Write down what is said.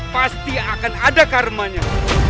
pasti akan ada karmanya